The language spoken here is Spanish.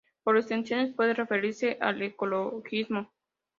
Por extensión puede referirse al ecologismo.